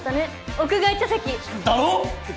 屋外茶席！